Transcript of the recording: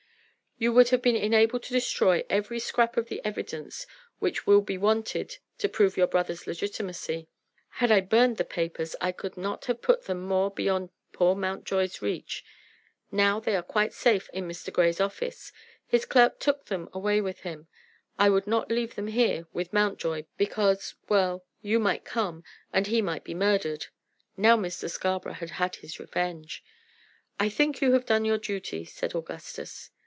"You would have been enabled to destroy every scrap of the evidence which will be wanted to prove your brother's legitimacy. Had I burned the papers I could not have put them more beyond poor Mountjoy's reach. Now they are quite safe in Mr. Grey's office; his clerk took them away with him. I would not leave them here with Mountjoy because, well, you might come, and he might be murdered!" Now Mr. Scarborough had had his revenge. "You think you have done your duty," said Augustus.